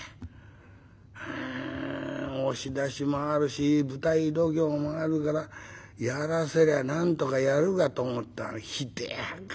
押し出しもあるし舞台度胸もあるからやらせりゃなんとかやるかと思ったがひでえ判官だなあ。